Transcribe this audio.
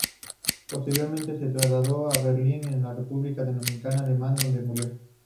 Posteriormente se trasladó a Berlín, en la República Democrática Alemana, donde murió.